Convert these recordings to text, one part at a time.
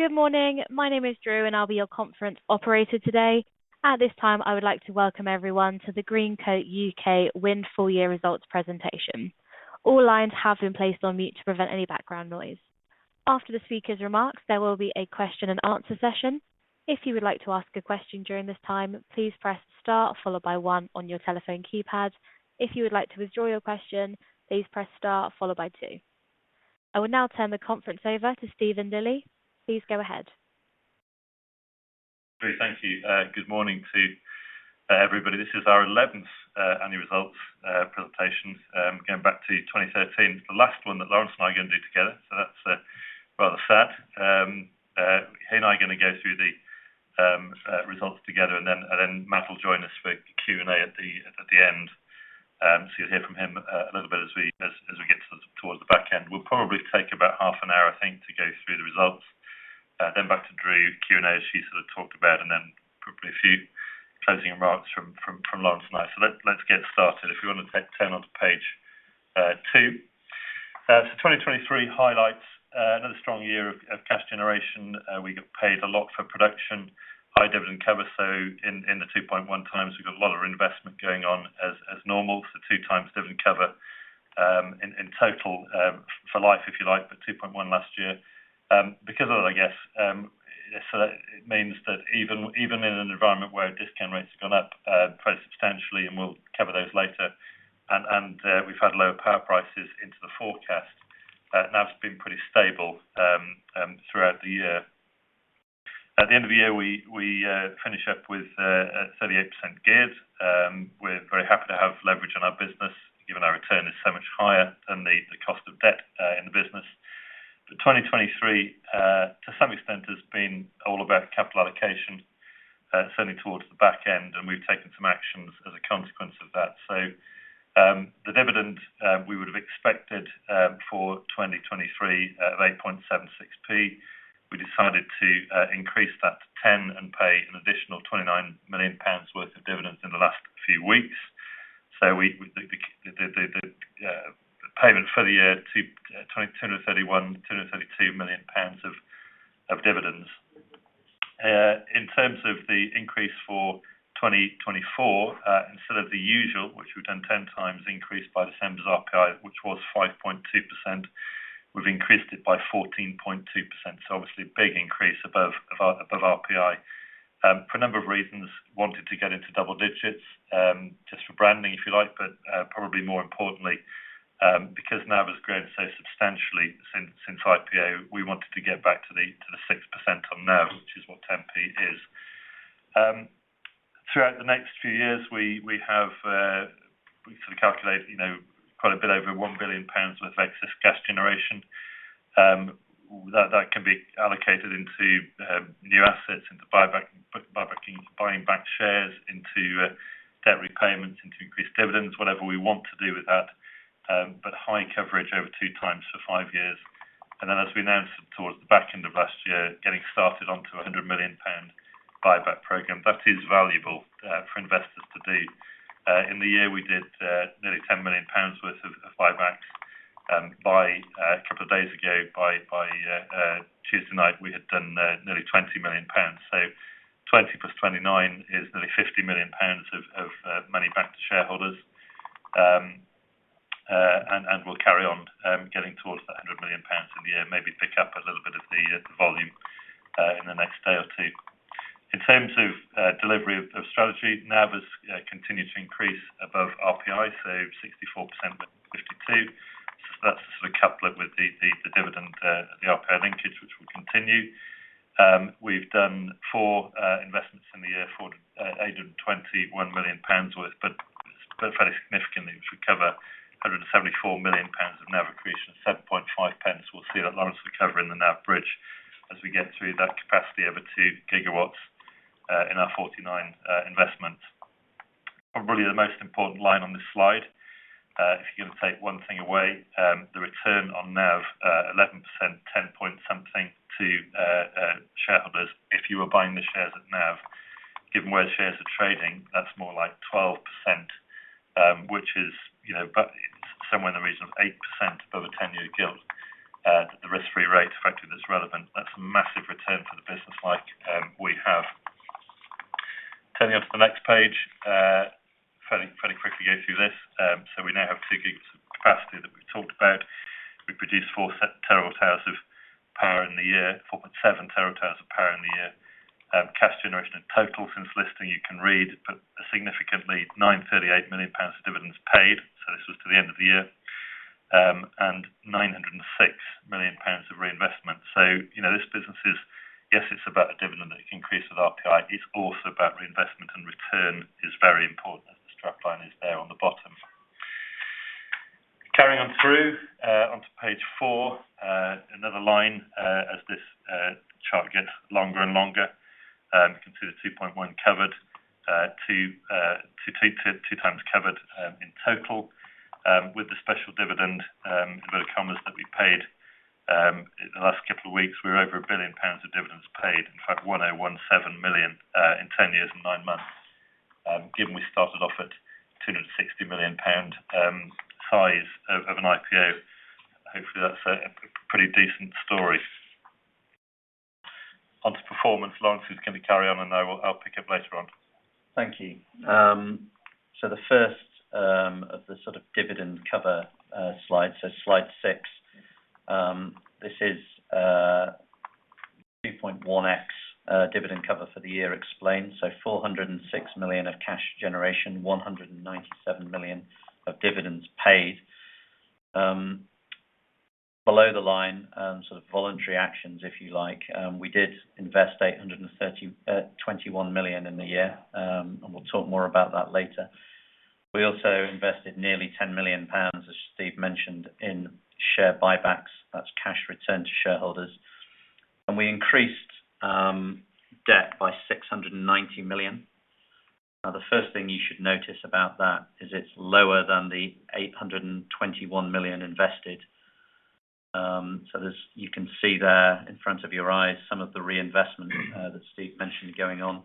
Good morning. My name is Drew, and I'll be your conference operator today. At this time, I would like to welcome everyone to the Greencoat UK Wind Full Year Results presentation. All lines have been placed on mute to prevent any background noise. After the speaker's remarks, there will be a question-and-answer session. If you would like to ask a question during this time, please press star followed by one on your telephone keypad. If you would like to withdraw your question, please press star followed by two. I will now turn the conference over to Stephen Lilley. Please go ahead. Great. Thank you. Good morning to everybody. This is our 11th Annual Results Presentation, going back to 2013. It's the last one that Laurence and I are going to do together, so that's rather sad. He and I are going to go through the results together, and then Matt will join us for Q&A at the end. So you'll hear from him a little bit as we get towards the back end. We'll probably take about half an hour, I think, to go through the results. Then back to Drew, Q&A as she sort of talked about, and then probably a few closing remarks from Laurence and I. So let's get started. If you want to turn onto page two. So 2023 highlights another strong year of cash generation. We got paid a lot for production, high dividend cover, so in the 2.1x, we've got a lot of reinvestment going on as normal. So 2x dividend cover in total for life, if you like, but 2.1x last year. Because of that, I guess, so that means that even in an environment where discount rates have gone up quite substantially, and we'll cover those later, and we've had lower power prices into the forecast, NAV's been pretty stable throughout the year. At the end of the year, we finish up with 38% geared. We're very happy to have leverage on our business, given our return is so much higher than the cost of debt in the business. But 2023, to some extent, has been all about capital allocation, certainly towards the back end, and we've taken some actions as a consequence of that. So the dividend we would have expected for 2023 of 8.76p, we decided to increase that to 10 and pay an additional 29 million pounds worth of dividends in the last few weeks. So the payment for the year, 231-232 million pounds of dividends. In terms of the increase for 2024, instead of the usual, which we've done 10x, increased by December's RPI, which was 5.2%, we've increased it by 14.2%. So obviously, a big increase above RPI. For a number of reasons, wanted to get into double digits, just for branding, if you like, but probably more importantly, because NAV has grown so substantially since IPO, we wanted to get back to the 6% on NAV, which is what 10p is. Throughout the next few years, we have sort of calculated quite a bit over 1 billion pounds worth of excess cash generation. That can be allocated into new assets, into buying back shares, into debt repayments, into increased dividends, whatever we want to do with that, but high coverage over 2x for five years. And then as we announced towards the back end of last year, getting started onto a 100 million pound buyback programme, that is valuable for investors to do. In the year, we did nearly 10 million pounds worth of buybacks. A couple of days ago, by Tuesday night, we had done nearly 20 million pounds. So 20 + 29 is nearly 50 million pounds of money back to shareholders. And we'll carry on getting towards that 100 million pounds in the year, maybe pick up a little bit of the volume in the next day or two. In terms of delivery of strategy, NAV has continued to increase above RPI, so 64%. 52. So that's the sort of couplet with the dividend, the RPI linkage, which will continue. We've done 4 investments in the year, 821 million pounds worth, but fairly significantly, which would cover 174 million pounds of NAV accretion, 7.5. So we'll see that leverage recover in the NAV bridge as we get through that capacity over 2 GW in our 49 investments. Probably the most important line on this slide, if you're going to take one thing away, the return on NAV, 11%, 10-point-something to shareholders if you were buying the shares at NAV. Given where the shares are trading, that's more like 12%, which is somewhere in the region of 8% above a 10-year gilt. The risk-free rate, effectively, that's relevant. That's a massive return for the business like we have. Turning onto the next page, fairly quickly go through this. So we now have 2 GW of capacity that we've talked about. We've produced 4 TWh of power in the year, 4.7 TWh of power in the year. Cash generation in total since listing, you can read, but significantly, 938 million pounds of dividends paid. So this was to the end of the year. And 906 million pounds of reinvestment. So this business is, yes, it's about a dividend that can increase with RPI. It's also about reinvestment, and return is very important, as the strap line is there on the bottom. Carrying on through onto page 4, another line as this chart gets longer and longer. You can see the 2.1x covered, 2x covered in total. With the special dividend inverted commas that we paid the last couple of weeks, we're over 1 billion pounds of dividends paid. In fact, 1,017 million in 10 years and 9 months. Given we started off at 260 million pound size of an IPO, hopefully, that's a pretty decent story. Onto performance. Laurence, who's going to carry on, and I'll pick up later on. Thank you. So the first of the sort of dividend cover slides, so slide 6, this is 2.1x dividend cover for the year explained. So 406 million of cash generation, 197 million of dividends paid. Below the line, sort of voluntary actions, if you like. We did invest 821 million in the year, and we'll talk more about that later. We also invested nearly 10 million pounds, as Steve mentioned, in share buybacks. That's cash return to shareholders. And we increased debt by 690 million. Now, the first thing you should notice about that is it's lower than the 821 million invested. So you can see there in front of your eyes some of the reinvestment that Steve mentioned going on.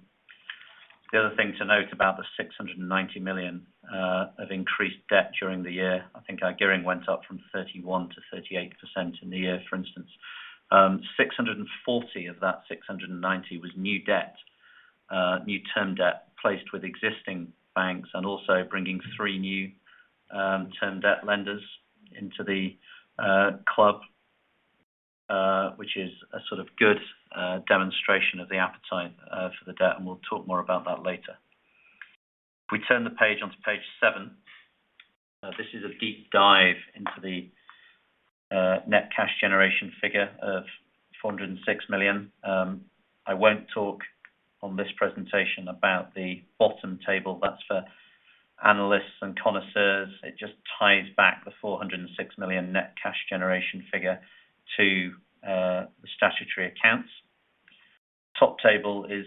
The other thing to note about the 690 million of increased debt during the year, I think our gearing went up from 31%-38% in the year, for instance. 640 of that 690 was new debt, new term debt placed with existing banks and also bringing three new term debt lenders into the club, which is a sort of good demonstration of the appetite for the debt, and we'll talk more about that later. If we turn the page onto page 7, this is a deep dive into the net cash generation figure of 406 million. I won't talk on this presentation about the bottom table. That's for analysts and connoisseurs. It just ties back the 406 million net cash generation figure to the statutory accounts. Top table is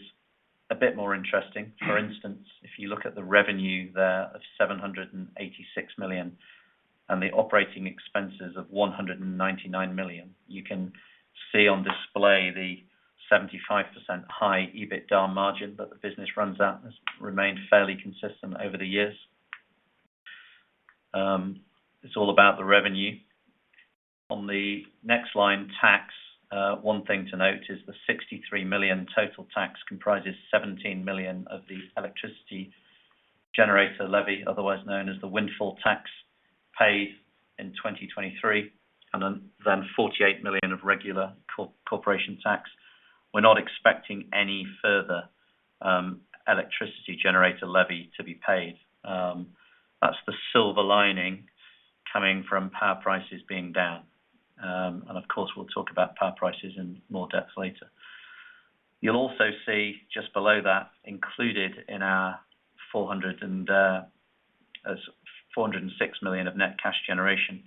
a bit more interesting. For instance, if you look at the revenue there of 786 million and the operating expenses of 199 million, you can see on display the 75% high EBITDA margin that the business runs at has remained fairly consistent over the years. It's all about the revenue. On the next line, tax, one thing to note is the 63 million total tax comprises 17 million of the Electricity Generator Levy, otherwise known as the windfall tax, paid in 2023, and then 48 million of regular corporation tax. We're not expecting any further Electricity Generator Levy to be paid. That's the silver lining coming from power prices being down. And of course, we'll talk about power prices in more depth later. You'll also see just below that, included in our 406 million of net cash generation,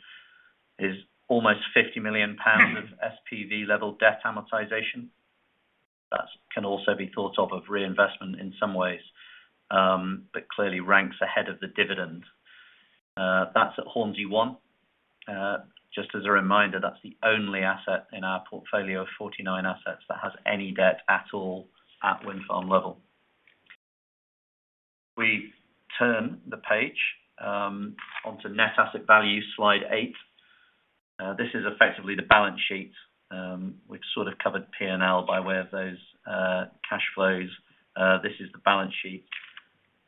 is almost 50 million pounds of SPV-level debt amortisation. That can also be thought of as reinvestment in some ways, but clearly ranks ahead of the dividend. That's at Hornsea One. Just as a reminder, that's the only asset in our portfolio of 49 assets that has any debt at all at wind farm level. If we turn the page onto net asset value, slide 8, this is effectively the balance sheet. We've sort of covered P&L by way of those cash flows. This is the balance sheet.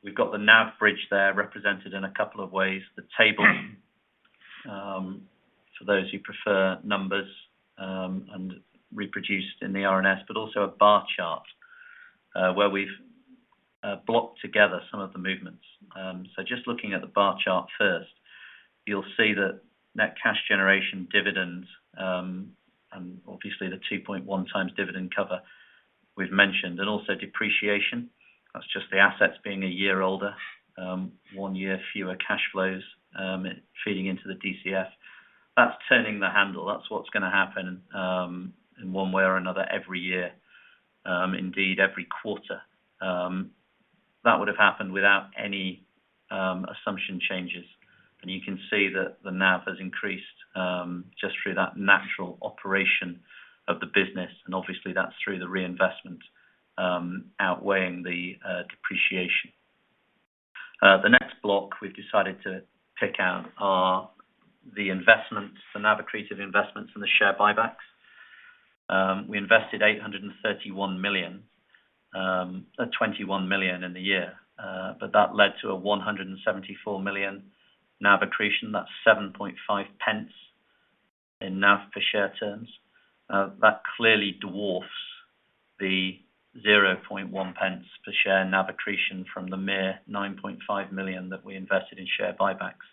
We've got the NAV bridge there represented in a couple of ways, the table for those who prefer numbers and reproduced in the RNS, but also a bar chart where we've blocked together some of the movements. So just looking at the bar chart first, you'll see that net cash generation dividends and obviously the 2.1x dividend cover we've mentioned, and also depreciation. That's just the assets being a year older, one year fewer cash flows feeding into the DCF. That's turning the handle. That's what's going to happen in one way or another every year, indeed, every quarter. That would have happened without any assumption changes. You can see that the NAV has increased just through that natural operation of the business, and obviously, that's through the reinvestment outweighing the depreciation. The next block we've decided to pick out are the investments, the NAV accretive investments, and the share buybacks. We invested 831 million, 21 million in the year, but that led to a 174 million NAV accretion. That's 0.075 in NAV per share terms. That clearly dwarfs the 0.001 per share NAV accretion from the mere 9.5 million that we invested in share buybacks.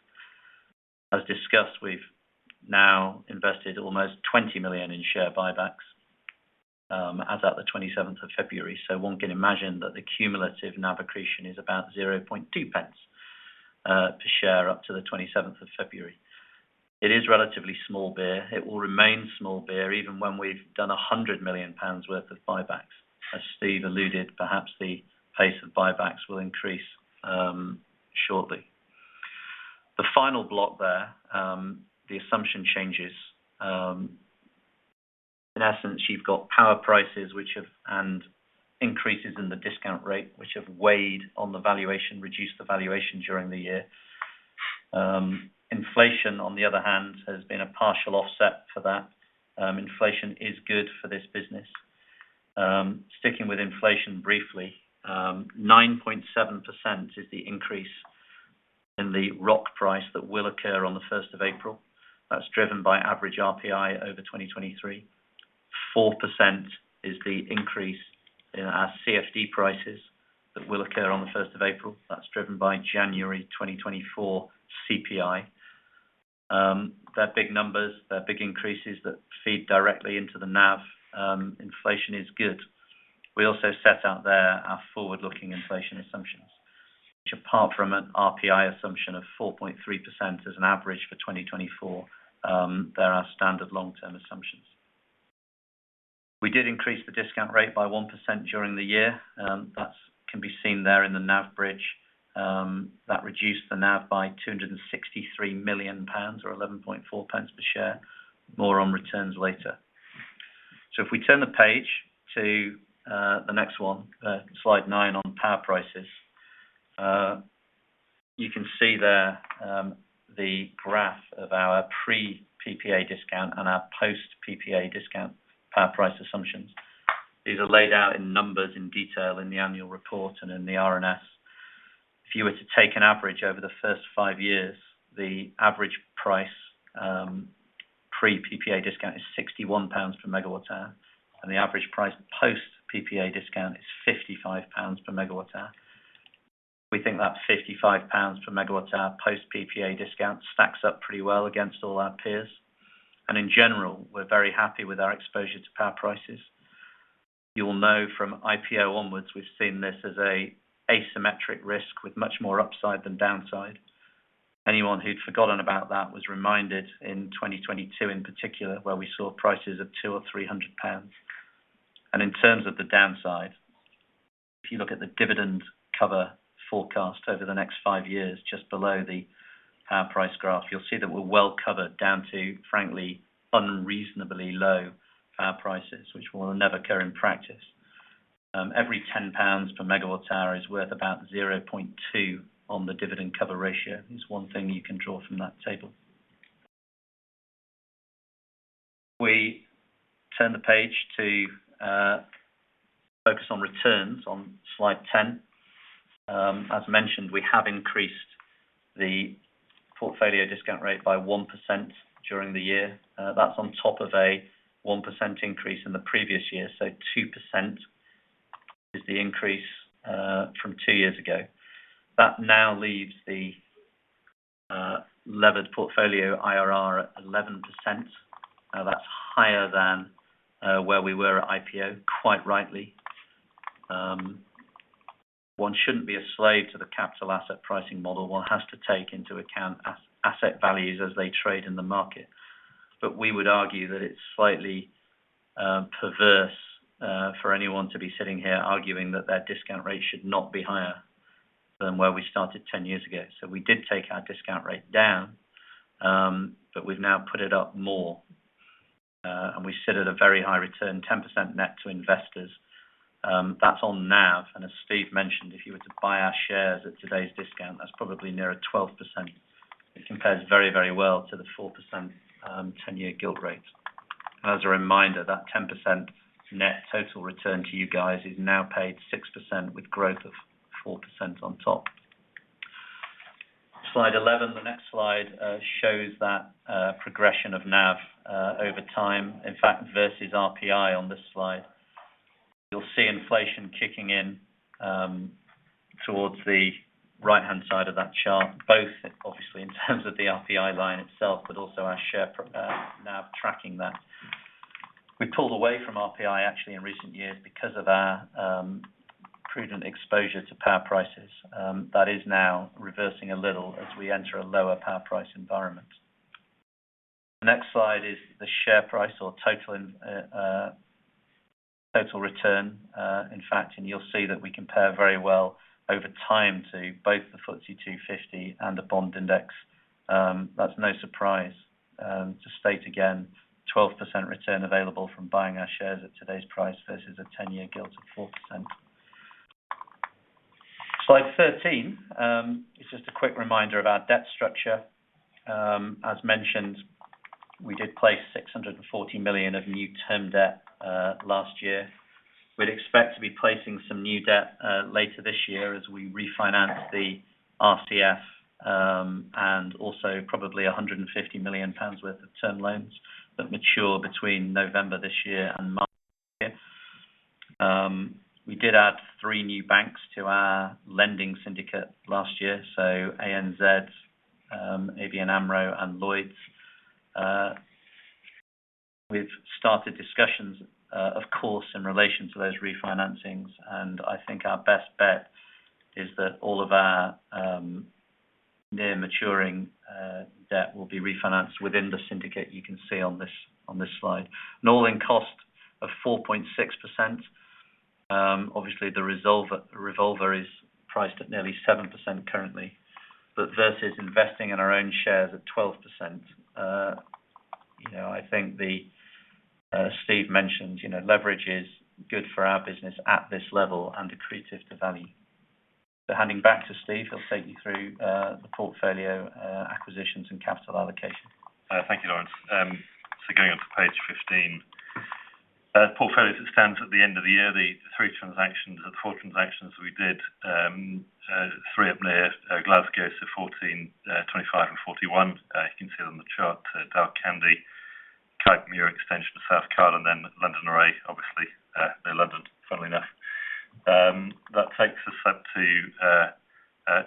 As discussed, we've now invested almost 20 million in share buybacks as of the 27th of February. So one can imagine that the cumulative NAV accretion is about 0.2 pence per share up to the 27th of February. It is relatively small beer. It will remain small beer even when we've done 100 million pounds worth of buybacks. As Steve alluded, perhaps the pace of buybacks will increase shortly. The final block there, the assumption changes. In essence, you've got power prices and increases in the discount rate which have weighed on the valuation, reduced the valuation during the year. Inflation, on the other hand, has been a partial offset for that. Inflation is good for this business. Sticking with inflation briefly, 9.7% is the increase in the ROC price that will occur on the 1st of April. That's driven by average RPI over 2023. 4% is the increase in our CFD prices that will occur on the 1st of April. That's driven by January 2024 CPI. They're big numbers. They're big increases that feed directly into the NAV. Inflation is good. We also set out there our forward-looking inflation assumptions. Apart from an RPI assumption of 4.3% as an average for 2024, they're our standard long-term assumptions. We did increase the discount rate by 1% during the year. That can be seen there in the NAV bridge. That reduced the NAV by 263 million pounds or 11.4 pounds per share. More on returns later. So if we turn the page to the next one, slide 9 on power prices, you can see there the graph of our pre-PPA discount and our post-PPA discount power price assumptions. These are laid out in numbers in detail in the annual report and in the R&S. If you were to take an average over the first five years, the average price pre-PPA discount is 61 pounds per MWh, and the average price post-PPA discount is 55 pounds per MWh. We think that 55 pounds per MWh post-PPA discount stacks up pretty well against all our peers. And in general, we're very happy with our exposure to power prices. You'll know from IPO onwards, we've seen this as an asymmetric risk with much more upside than downside. Anyone who'd forgotten about that was reminded in 2022 in particular, where we saw prices of 200 or 300 pounds. And in terms of the downside, if you look at the dividend cover forecast over the next five years, just below the power price graph, you'll see that we're well covered down to, frankly, unreasonably low power prices, which will never occur in practice. Every 10 pounds per MWh is worth about 0.2 on the dividend cover ratio. It's one thing you can draw from that table. If we turn the page to focus on returns on slide 10, as mentioned, we have increased the portfolio discount rate by 1% during the year. That's on top of a 1% increase in the previous year. So 2% is the increase from two years ago. That now leaves the levered portfolio IRR at 11%. Now, that's higher than where we were at IPO, quite rightly. One shouldn't be a slave to the capital asset pricing model. One has to take into account asset values as they trade in the market. But we would argue that it's slightly perverse for anyone to be sitting here arguing that their discount rate should not be higher than where we started 10 years ago. So we did take our discount rate down, but we've now put it up more. And we sit at a very high return, 10% net to investors. That's on NAV. And as Steve mentioned, if you were to buy our shares at today's discount, that's probably near a 12%. It compares very, very well to the 4% 10-year gilt rate. And as a reminder, that 10% net total return to you guys is now paid 6% with growth of 4% on top. Slide 11, the next slide, shows that progression of NAV over time, in fact, versus RPI on this slide. You'll see inflation kicking in towards the right-hand side of that chart, both obviously in terms of the RPI line itself, but also our share NAV tracking that. We've pulled away from RPI, actually, in recent years because of our prudent exposure to power prices. That is now reversing a little as we enter a lower power price environment. The next slide is the share price or total return, in fact. You'll see that we compare very well over time to both the FTSE 250 and the bond index. That's no surprise. To state again, 12% return available from buying our shares at today's price versus a 10-year gilt of 4%. Slide 13 is just a quick reminder of our debt structure. As mentioned, we did place 640 million of new term debt last year. We'd expect to be placing some new debt later this year as we refinance the RCF and also probably 150 million pounds worth of term loans that mature between November this year and March next year. We did add three new banks to our lending syndicate last year, so ANZ, ABN AMRO, and Lloyds. We've started discussions, of course, in relation to those refinancings. I think our best bet is that all of our near-maturing debt will be refinanced within the syndicate, you can see on this slide. An all-in cost of 4.6%. Obviously, the revolver is priced at nearly 7% currently. But versus investing in our own shares at 12%, I think Steve mentioned leverage is good for our business at this level and accretive to value. So handing back to Steve, he'll take you through the portfolio acquisitions and capital allocation. Thank you, Laurence. So going onto page 15. Portfolio, it stands at the end of the year, the three transactions, the four transactions that we did, three up near Glasgow, so 14, 25, and 41. You can see them on the chart. Dalquhandy, Kype Muir Extension and South Kyle, and then London Array, obviously. They're London, funnily enough. That takes us up to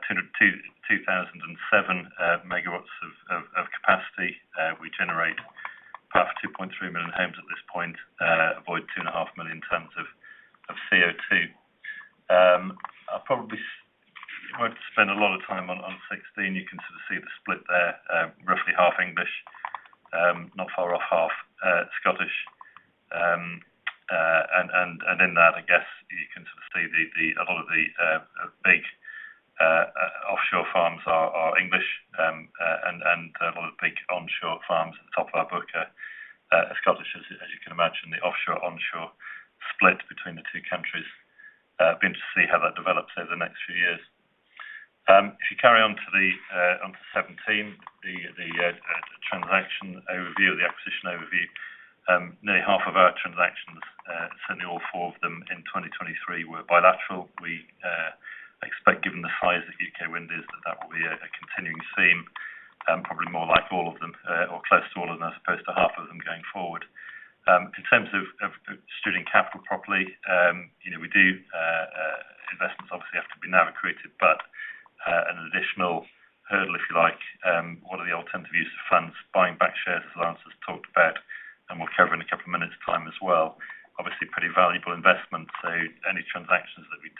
2007 MW of capacity. We generate power for 2.3 million homes at this point, avoid 2.5 million tons of CO2. I probably won't spend a lot of time on 16. You can sort of see the split there, roughly half English, not far off half Scottish. And in that, I guess, you can sort of see a lot of the big offshore farms are English, and a lot of the big onshore farms at the top of our book are Scottish, as you can imagine, the offshore/onshore split between the two countries. Be interested to see how that develops over the next few years. If you carry onto 17, the transaction overview, the acquisition overview, nearly half of our transactions, certainly all four of them in 2023, were bilateral. We expect, given the size that UK Wind is, that that will be a continuing theme, probably more like all of them or close to all of them as opposed to half of them going forward. In terms of stewarding capital properly, we do investments, obviously, have to be NAV accretive, but an additional hurdle, if you like, what are the alternative use of funds, buying back shares as Laurence has talked about, and we'll cover in a couple of minutes' time as well. Obviously, pretty valuable investments. So any transactions that we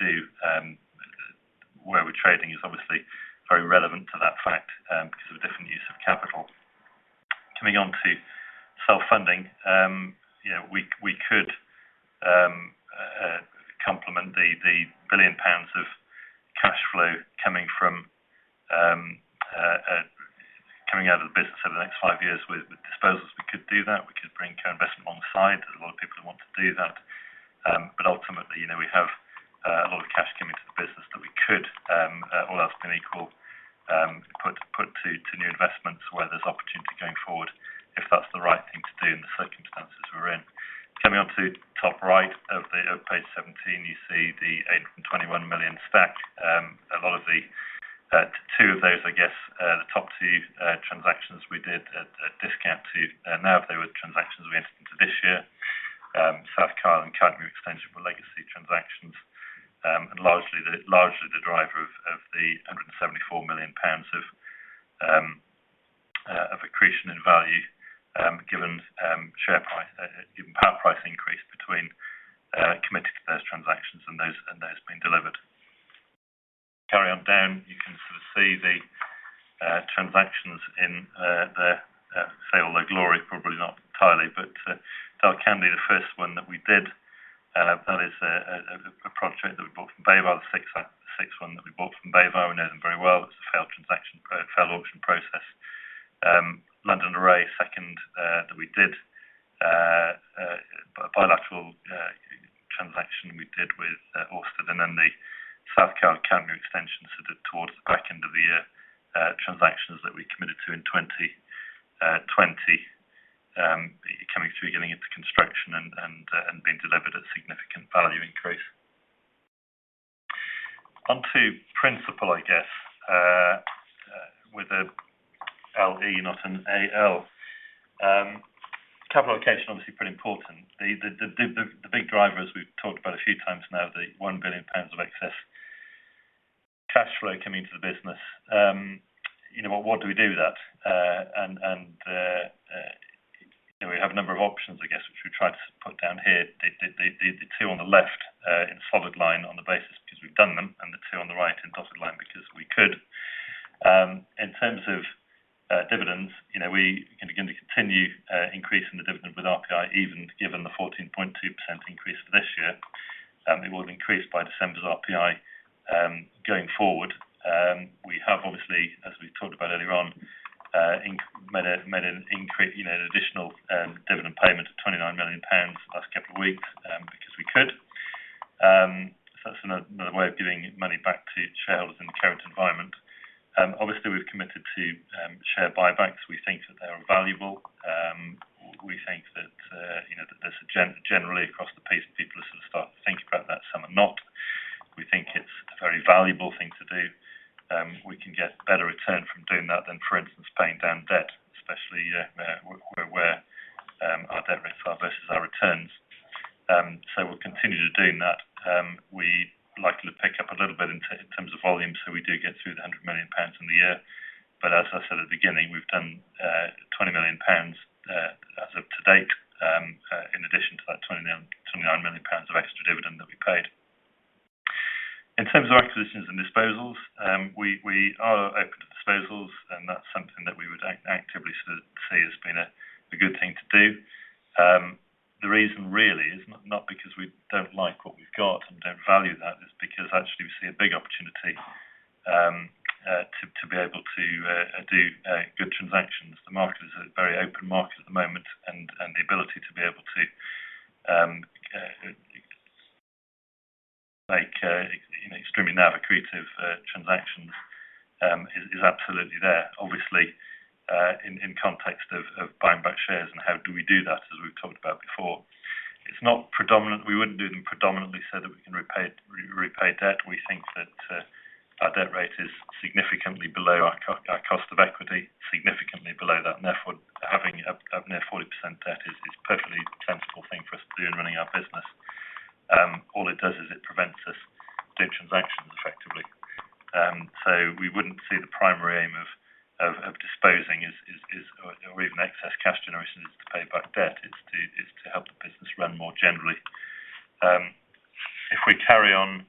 do, where we're trading, is obviously very relevant to that fact because of a different use of capital. Coming onto self-funding, we could complement the 1 billion pounds of cash flow coming out of the business over the next five years with disposals. We could do that. We could bring co-investment alongside. There's a lot of people who want to do that. But ultimately, we have a lot of cash coming to the business that we could, all else being equal, put to new investments where there's opportunity going forward if that's the right thing to do in the circumstances we're in. Coming onto top right of page 17, you see the 821 million stack. Two of those, I guess, the top two transactions we did at discount to NAV, they were transactions we entered into this year. South Kyle and Kype Muir Extension were legacy transactions and largely the driver of the 174 million pounds of accretion in value given power price increase committed to those transactions and those being delivered. Carry on down, you can sort of see the transactions in their full glory, probably not entirely. Dalquhandy, the first one that we did, that is a project that we bought from BayWa, the sixth one that we bought from BayWa. We know them very well. It's a failed auction process. London Array, second that we did, a bilateral transaction we did with Ørsted. And then the South Kyle and Kype Muir Extension sort of towards the back end of the year, transactions that we committed to in 2020, coming through, getting into construction, and being delivered at significant value increase. Onto principal, I guess, with a LE, not an AL. Capital allocation, obviously, pretty important. The big driver, as we've talked about a few times now, the 1 billion pounds of excess cash flow coming into the business. What do we do with that? And we have a number of options, I guess, which we've tried to put down here. The two on the left in solid line on the basis because we've done them, and the two on the right in dotted line because we could. In terms of dividends, we're going to continue increasing the dividend with RPI even given the 14.2% increase of this year. It will increase by December's RPI going forward. We have, obviously, as we've talked about earlier on, made an additional dividend payment of 29 million pounds the last couple of weeks because we could. So that's another way of giving money back to shareholders in the current environment. Obviously, we've committed to share buybacks. We think that they are valuable. We think that there's a generally, across the piece, people are sort of starting to think about that some or not. We think it's a very valuable thing to do. We can get better return from doing that than, for instance, paying down debt, especially where our debt rates are versus our returns. So we'll continue to do that. We likely to pick up a little bit in terms of volume, so we do get through the 100 million pounds in the year. But as I said at the beginning, we've done 20 million pounds as of today in addition to that 29 million pounds of extra dividend that we paid. In terms of acquisitions and disposals, we are open to disposals, and that's something that we would actively sort of see as being a good thing to do. The reason, really, is not because we don't like what we've got and don't value that, it's because, actually, we see a big opportunity to be able to do good transactions. The market is a very open market at the moment, and the ability to be able to make extremely NAV accretive transactions is absolutely there, obviously, in context of buying back shares and how do we do that, as we've talked about before. We wouldn't do them predominantly so that we can repay debt. We think that our debt rate is significantly below our cost of equity, significantly below that. And therefore, having a near 40% debt is a perfectly sensible thing for us to do in running our business. All it does is it prevents us. Transactions, effectively. So we wouldn't see the primary aim of disposing or even excess cash generation is to pay back debt. It's to help the business run more generally. If we carry on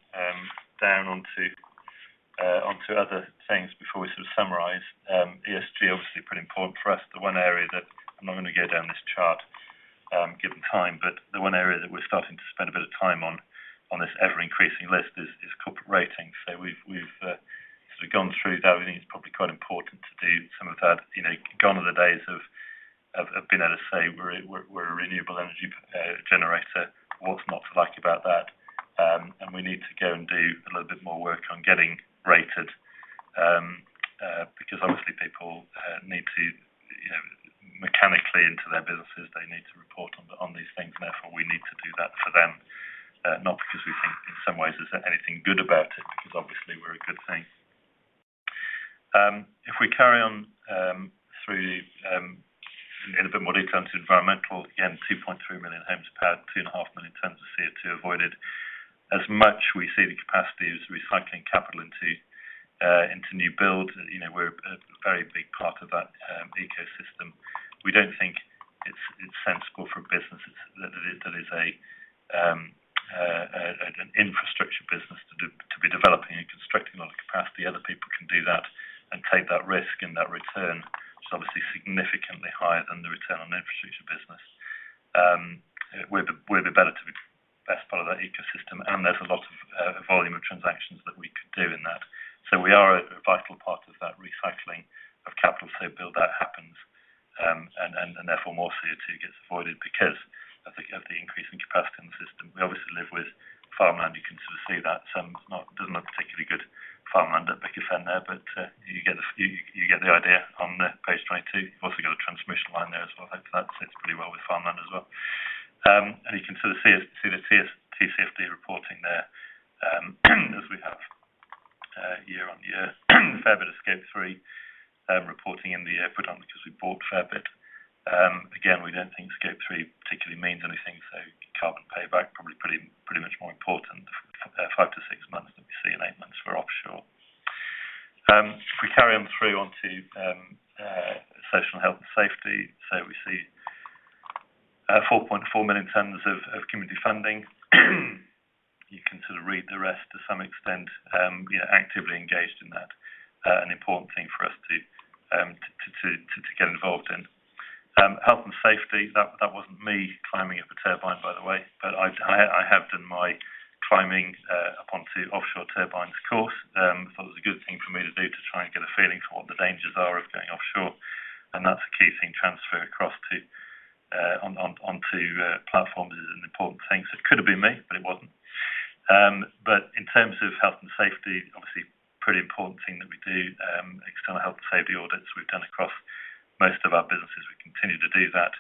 down onto other things before we sort of summarize, ESG, obviously, pretty important for us. The one area that I'm not going to go down this chart given time, but the one area that we're starting to spend a bit of time on this ever-increasing list is corporate ratings. So we've sort of gone through that. We think it's probably quite important to do some of that. Gone are the days of being able to say, "We're a renewable energy generator. What's not to like about that?" And we need to go and do a little bit more work on getting rated because, obviously, people need to mechanically into their businesses. They need to report on these things. And therefore, we need to do that for them, not because we think in some ways there's anything good about it, because, obviously, we're a good thing. If we carry on through in a bit more detail into environmental, again, 2.3 million homes powered, 2.5 million tons of CO2 avoided. As much we see the capacity as recycling capital into new builds, we're a very big part of that ecosystem. We don't think it's sensible for a business that is an infrastructure business to be developing and constructing a lot of capacity. Other people can do that and take that risk, and that return is obviously significantly higher than the return on infrastructure business. We'd be better to be the best part of that ecosystem, and there's a lot of volume of transactions that we could do in that. So we are a vital part of that recycling of capital. So build that happens, and therefore, more CO2 gets avoided because of the increase in capacity in the system. We obviously live with farmland. You can sort of see that. Some doesn't have particularly good farmland at Bicker Fen there, but you get the idea on page 22. You've also got a transmission line there as well. Hopefully, that sits pretty well with farmland as well. And you can sort of see the TCFD reporting there as we have year on year. A fair bit of Scope 3 reporting in the year put on because we bought a fair bit. Again, we don't think Scope 3 particularly means anything. So carbon payback, probably pretty much more important, 5-6 months than we see in 8 months for offshore. If we carry on through onto social health and safety, so we see 4.4 million tons of community funding. You can sort of read the rest to some extent. Actively engaged in that, an important thing for us to get involved in. Health and safety, that wasn't me climbing up a turbine, by the way, but I have done my climbing up onto offshore turbines course. I thought it was a good thing for me to do to try and get a feeling for what the dangers are of going offshore. That's a key thing. Transfer across onto platforms is an important thing. It could have been me, but it wasn't. But in terms of health and safety, obviously, pretty important thing that we do, external health and safety audits we've done across most of our businesses. We continue to do that.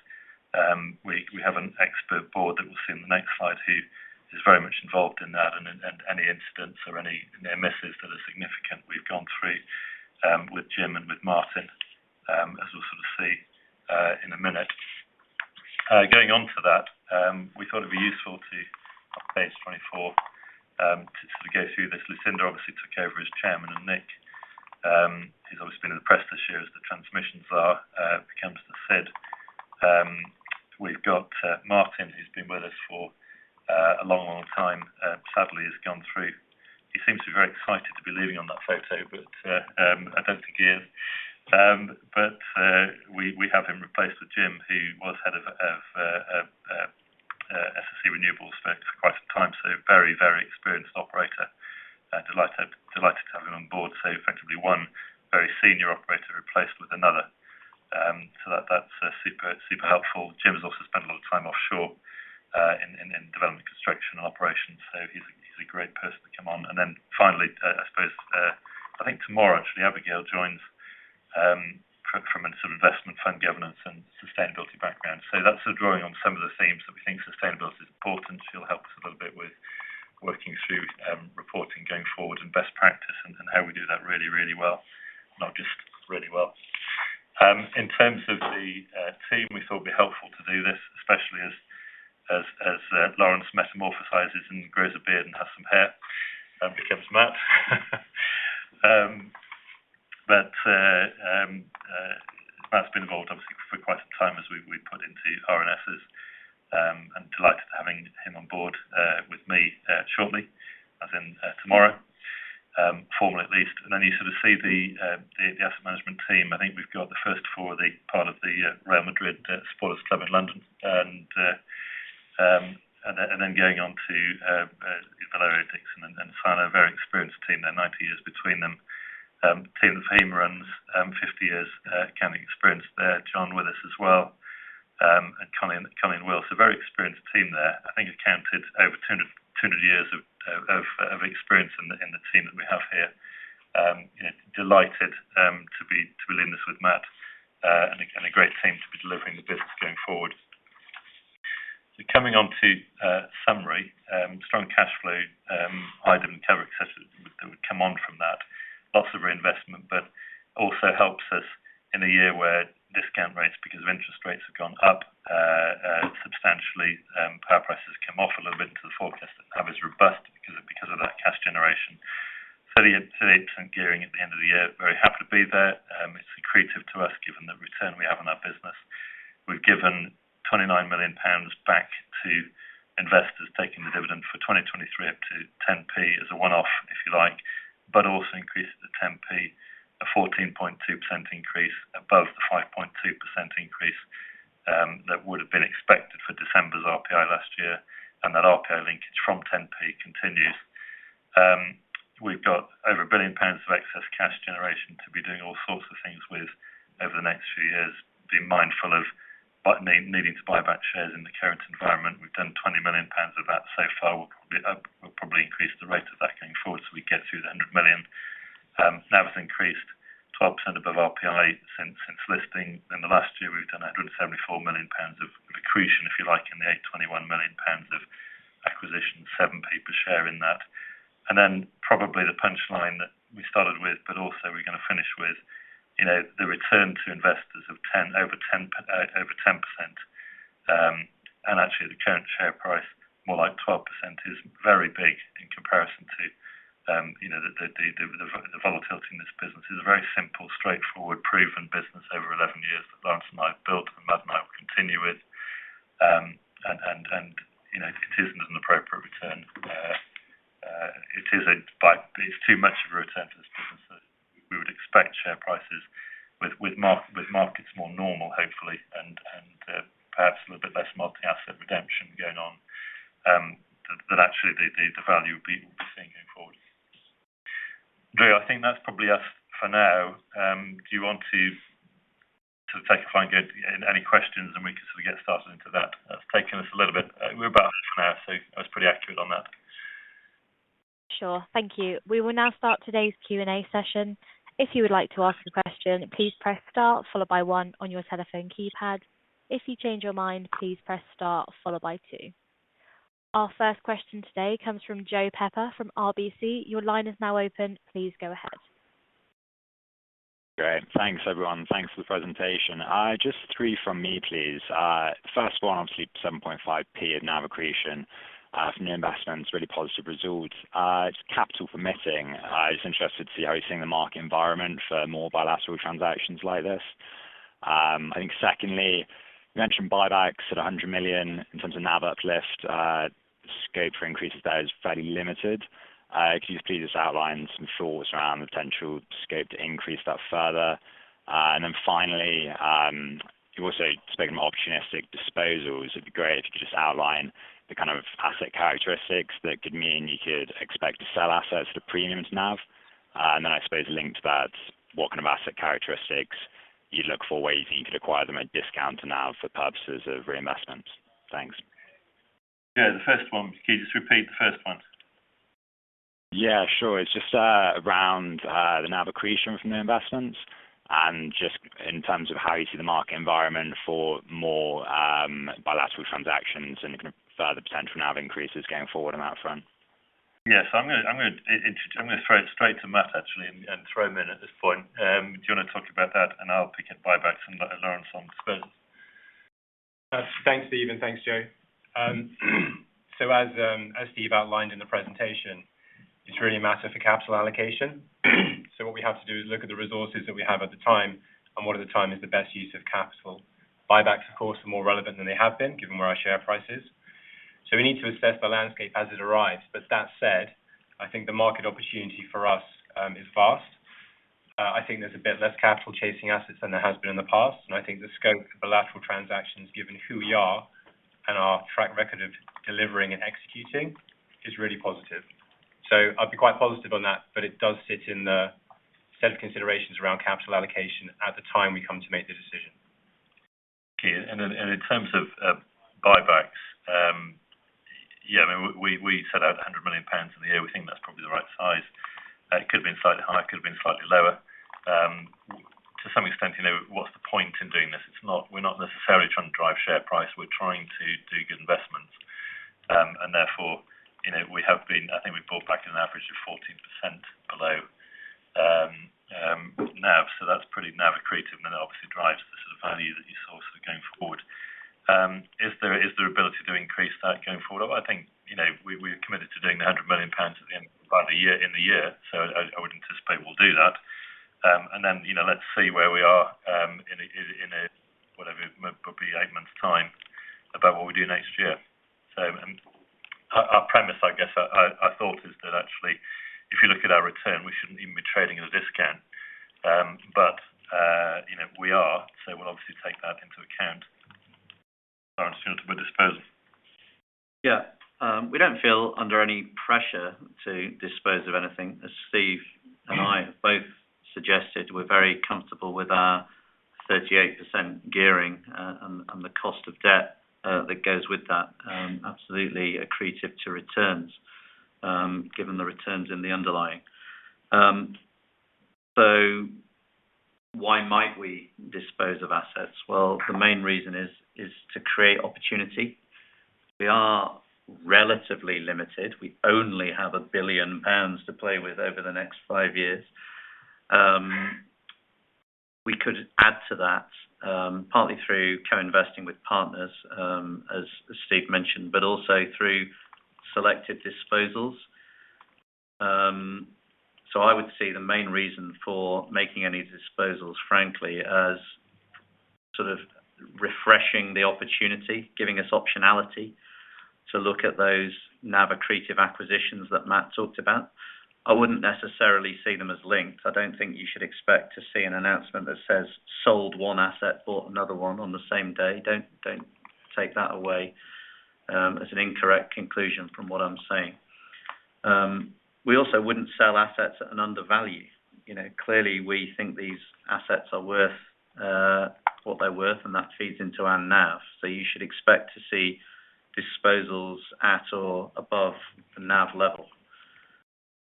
We have an expert board that we'll see on the next slide who is very much involved in that. Any incidents or any misses that are significant, we've gone through with Jim and with Martin, as we'll sort of see in a minute. Going on to that, we thought it would be useful to, on page 24, the asset management team. I think we've got the first four, part of the Real Madrid Spurs Club in London. And then going onto Valerio, Dickson and Cino, a very experienced team there, 90 years between them. Team that Fahima runs, 50 years accounting experience there. John Withers as well and Colin Wills, a very experienced team there. I think accounted over 200 years of experience in the team that we have here. Delighted to be leading this with Matt. And a great team to be delivering the business going forward. So coming onto summary, strong cash flow, high dividend cover, etc., that would come on from that. Lots of reinvestment, but also helps us in a year where discount rates because of interest rates have gone up substantially. Power prices have come off a little bit into the forecast. That number is robust because of that cash generation. 38% gearing at the end of the year. Very happy to be there. It's incredible to us given the return we have on our business. We've given 29 million pounds back to investors taking the dividend for 2023 up to 10p as a one-off, if you like, but also increased it to 10p, a 14.2% increase above the 5.2% increase that would have been expected for December's RPI last year. That RPI linkage from 10p continues. We've got over 1 billion pounds of excess cash generation to be doing all sorts of things with over the next few years, being mindful of needing to buy back shares in the current environment. We've done 20 million pounds of that so far. We'll probably increase the rate of that going forward so we get through the 100 million. NAV has increased 12% above RPI since listing. In the last year, we've done 174 million pounds of accretion, if you like, in the 821 million pounds of acquisition, 7p per share in that. And then probably the punchline that we started with, but also we're going to finish with, the return to investors of over 10%. And actually, at the current share price, more like 12% is very big in comparison to the volatility in this business. It's a very simple, straightforward, proven business over 11 years that Laurence and I have built and Matt and I will continue with. And it isn't an appropriate return. It's too much of a return for this business that we would expect share prices with markets more normal, hopefully, and perhaps a little bit less multi-asset redemption going on than actually the value we'll be seeing going forward. And, Drew, I think that's probably us for now. Do you want to take a flight and go to any questions, and we can sort of get started into that? That's taken us a little bit, we're about half an hour, so I was pretty accurate on that. Sure. Thank you. We will now start today's Q&A session. If you would like to ask a question, please press star followed by one on your telephone keypad. If you change your mind, please press star followed by two. Our first question today comes from Joe Pepper from RBC. Your line is now open. Please go ahead. Great. Thanks, everyone. Thanks for the presentation. Just three from me, please. First one, obviously, 7.5p at NAV accretion after new investments, really positive results. It's capital permitting. I was interested to see how you're seeing the market environment for more bilateral transactions like this. I think secondly, you mentioned buybacks at 100 million. In terms of NAV uplift, scope for increases there is fairly limited. Could you just please just outline some thoughts around the potential scope to increase that further? And then finally, you also spoke about opportunistic disposals. It'd be great if you could just outline the kind of asset characteristics that could mean you could expect to sell assets at a premium to NAV. And then I suppose linked to that, what kind of asset characteristics you'd look for, ways you could acquire them at discount to NAV for purposes of reinvestments. Thanks. Yeah. The first one. Could you just repeat the first one? Yeah. Sure. It's just around the NAV accretion from new investments and just in terms of how you see the market environment for more bilateral transactions and further potential NAV increases going forward on that front? Yeah. So I'm going to throw it straight to Matt, actually, and throw him in at this point. Do you want to talk about that? And I'll pick up buybacks and Laurence on disposals. Thanks, Steve. And thanks, Joe. So as Steve outlined in the presentation, it's really a matter for capital allocation. So what we have to do is look at the resources that we have at the time and what at the time is the best use of capital. Buybacks, of course, are more relevant than they have been given where our share price is. So we need to assess the landscape as it arrives. But that said, I think the market opportunity for us is vast. I think there's a bit less capital chasing assets than there has been in the past. And I think the scope of bilateral transactions, given who we are and our track record of delivering and executing, is really positive. I'd be quite positive on that, but it does sit in the set of considerations around capital allocation at the time we come to make the decision. Okay. And in terms of buybacks, yeah, I mean, we set out 100 million pounds a year. We think that's probably the right size. It could have been slightly higher. It could have been slightly lower. To some extent, what's the point in doing this? We're not necessarily trying to drive share price. We're trying to do good investments. And therefore, we have been I think we've bought back an average of 14% below NAV. So that's pretty NAV accretive. And then it obviously drives the sort of value that you saw sort of going forward. Is there ability to increase that going forward? I think we're committed to doing the 100 million pounds at the end by the year in the year. So I would anticipate we'll do that. And then let's see where we are in whatever it would be eight months' time about what we do next year. Our premise, I guess, I thought, is that actually, if you look at our return, we shouldn't even be trading at a discount. But we are. We'll obviously take that into account, Laurence, in terms of our disposal. Yeah. We don't feel under any pressure to dispose of anything. As Steve and I have both suggested, we're very comfortable with our 38% gearing and the cost of debt that goes with that. Absolutely accretive to returns given the returns in the underlying. So why might we dispose of assets? Well, the main reason is to create opportunity. We are relatively limited. We only have 1 billion pounds to play with over the next 5 years. We could add to that partly through co-investing with partners, as Steve mentioned, but also through selective disposals. So I would see the main reason for making any disposals, frankly, as sort of refreshing the opportunity, giving us optionality to look at those NAV accretive acquisitions that Matt talked about. I wouldn't necessarily see them as linked. I don't think you should expect to see an announcement that says, "Sold one asset, bought another one on the same day." Don't take that away as an incorrect conclusion from what I'm saying. We also wouldn't sell assets at an undervalue. Clearly, we think these assets are worth what they're worth, and that feeds into our NAV. So you should expect to see disposals at or above the NAV level.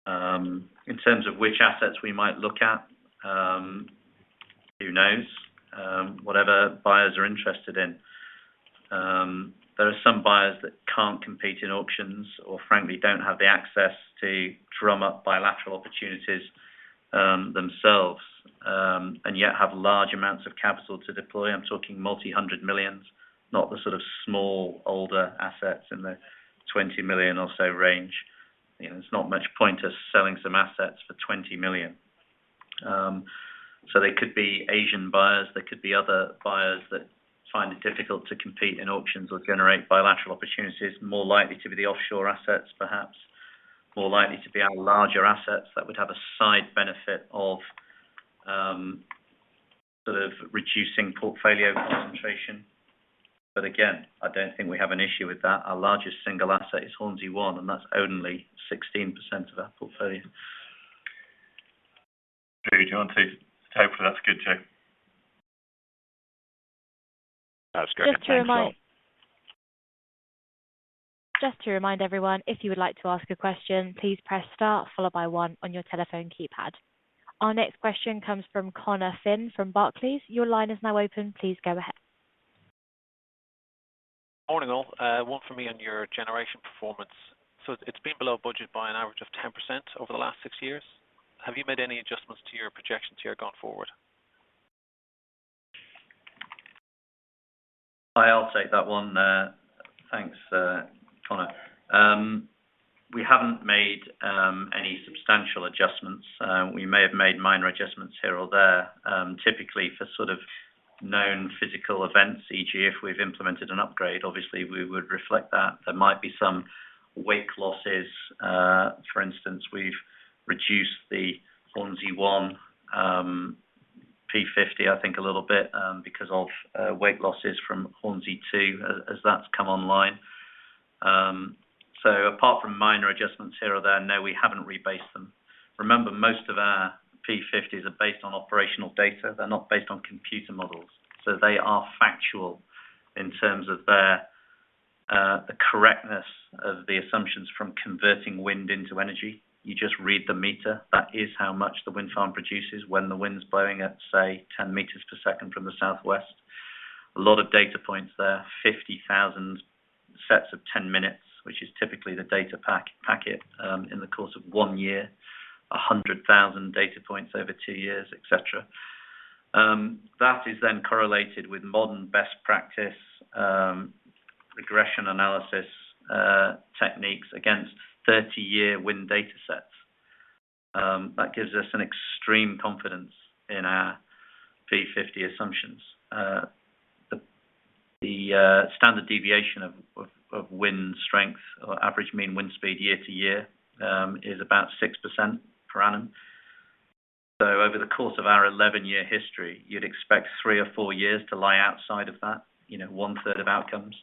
In terms of which assets we might look at, who knows? Whatever buyers are interested in. There are some buyers that can't compete in auctions or, frankly, don't have the access to drum up bilateral opportunities themselves and yet have large amounts of capital to deploy. I'm talking multi-hundred millions, not the sort of small, older assets in the 20 million or so range. It's not much point to selling some assets for 20 million. There could be Asian buyers. There could be other buyers that find it difficult to compete in auctions or generate bilateral opportunities. More likely to be the offshore assets, perhaps. More likely to be our larger assets that would have a side benefit of sort of reducing portfolio concentration. But again, I don't think we have an issue with that. Our largest single asset is Hornsea One, and that's only 16% of our portfolio. Do you want to take the tape? That's good, Joe. That's great. Thanks, Laurence. Just to remind everyone, if you would like to ask a question, please press star followed by one on your telephone keypad. Our next question comes from Connor Finn from Barclays. Your line is now open. Please go ahead. Morning, all. One from me on your generation performance. So it's been below budget by an average of 10% over the last six years. Have you made any adjustments to your projection to year gone forward? I'll take that one. Thanks, Connor. We haven't made any substantial adjustments. We may have made minor adjustments here or there. Typically, for sort of known physical events, e.g., if we've implemented an upgrade, obviously, we would reflect that. There might be some wake losses. For instance, we've reduced the Hornsea One P50, I think, a little bit because of wake losses from Hornsea Two as that's come online. So apart from minor adjustments here or there, no, we haven't rebased them. Remember, most of our P50s are based on operational data. They're not based on computer models. So they are factual in terms of the correctness of the assumptions from converting wind into energy. You just read the meter. That is how much the wind farm produces when the wind's blowing at, say, 10 meters per second from the southwest. A lot of data points there, 50,000 sets of 10 minutes, which is typically the data packet in the course of one year, 100,000 data points over two years, etc. That is then correlated with modern best practice regression analysis techniques against 30-year wind datasets. That gives us an extreme confidence in our P50 assumptions. The standard deviation of wind strength or average mean wind speed year to year is about 6% per annum. So over the course of our 11-year history, you'd expect three or four years to lie outside of that, one-third of outcomes.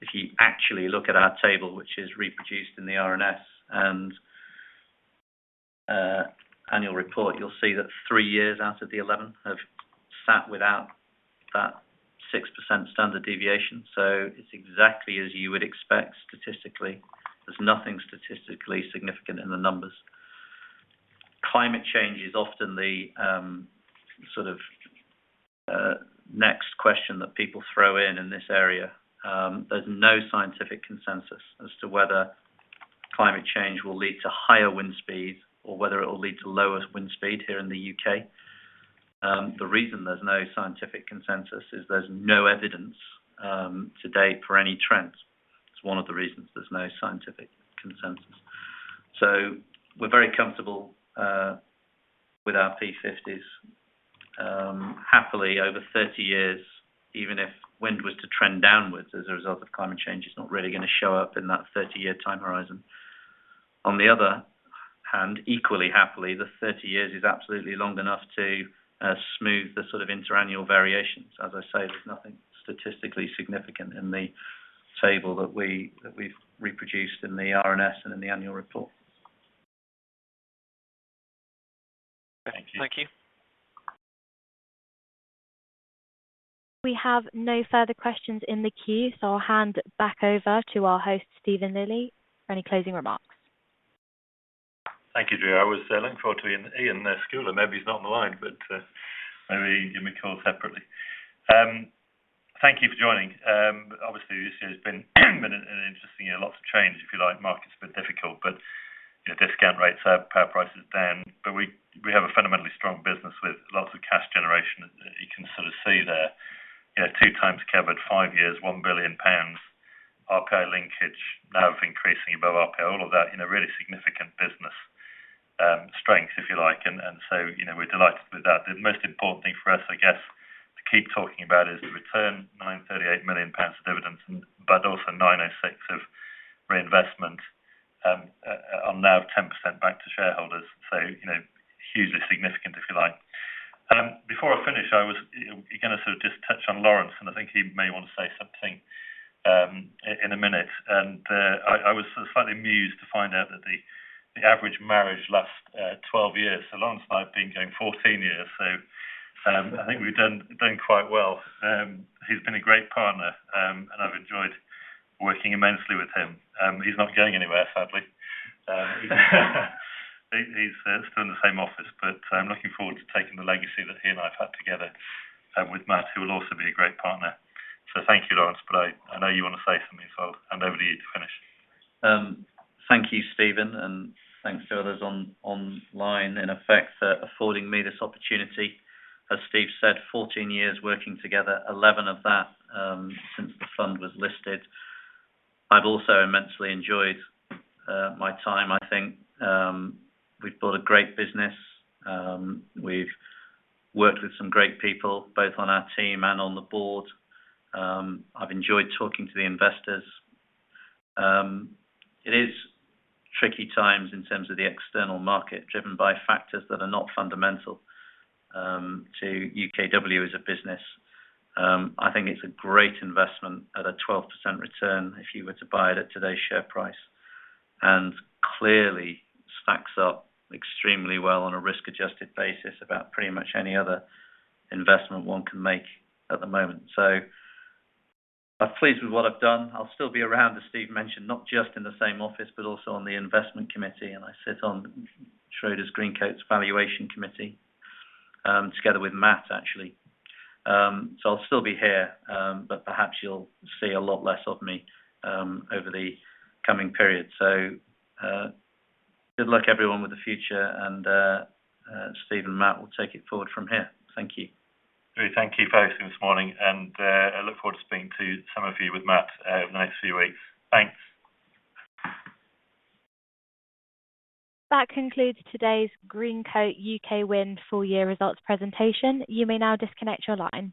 If you actually look at our table, which is reproduced in the R&S and annual report, you'll see that three years out of the 11 have sat without that 6% standard deviation. So it's exactly as you would expect statistically. There's nothing statistically significant in the numbers. Climate change is often the sort of next question that people throw in this area. There's no scientific consensus as to whether climate change will lead to higher wind speeds or whether it will lead to lower wind speed here in the U.K. The reason there's no scientific consensus is there's no evidence to date for any trends. It's one of the reasons there's no scientific consensus. So we're very comfortable with our P50s. Happily, over 30 years, even if wind was to trend downwards as a result of climate change, it's not really going to show up in that 30-year time horizon. On the other hand, equally happily, the 30 years is absolutely long enough to smooth the sort of interannual variations. As I say, there's nothing statistically significant in the table that we've reproduced in the R&S and in the annual report. Thank you. Thank you. We have no further questions in the queue, so I'll hand back over to our host, Stephen Lilley, for any closing remarks. Thank you, Drew. I look forward to Iain Scouller. Maybe he's not on the line, but maybe he can give me a call separately. Thank you for joining. Obviously, this year has been an interesting year. Lots of change, if you like. Market's been difficult, but discount rates, power prices down. But we have a fundamentally strong business with lots of cash generation that you can sort of see there. 2x covered, 5 years, 1 billion pounds, RPI linkage, NAV increasing above RPI, all of that, really significant business strength, if you like. And so we're delighted with that. The most important thing for us, I guess, to keep talking about is the return 938 million pounds of dividends but also 906 of reinvestment on NAV, 10% back to shareholders. So hugely significant, if you like. Before I finish, I was going to sort of just touch on Laurence, and I think he may want to say something in a minute. I was slightly amused to find out that the average marriage lasts 12 years. Laurence and I have been going 14 years. I think we've done quite well. He's been a great partner, and I've enjoyed working immensely with him. He's not going anywhere, sadly. He's still in the same office, but I'm looking forward to taking the legacy that he and I have had together with Matt, who will also be a great partner. Thank you, Laurence. I know you want to say something as well. Hand over to you to finish. Thank you, Steven. Thanks to others online in effect for affording me this opportunity. As Steve said, 14 years working together, 11 of that since the fund was listed. I've also immensely enjoyed my time. I think we've built a great business. We've worked with some great people, both on our team and on the board. I've enjoyed talking to the investors. It is tricky times in terms of the external market driven by factors that are not fundamental to UKW as a business. I think it's a great investment at a 12% return if you were to buy it at today's share price and clearly stacks up extremely well on a risk-adjusted basis about pretty much any other investment one can make at the moment. I'm pleased with what I've done. I'll still be around, as Steve mentioned, not just in the same office but also on the investment committee. And I sit on Schroders Greencoat Valuation Committee together with Matt, actually. So I'll still be here, but perhaps you'll see a lot less of me over the coming period. So good luck, everyone, with the future. And Steve and Matt will take it forward from here. Thank you. Drew, thank you both this morning. I look forward to speaking to some of you with Matt over the next few weeks. Thanks. That concludes today's Greencoat UK Wind Full-Year Results Presentation. You may now disconnect your line.